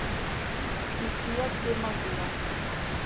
Qui fia té mal dia.